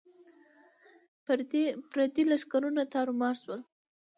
پردي لښکرونه تارو مار شول.